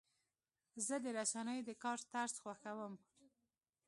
زه د رسنیو د کار طرز خوښوم.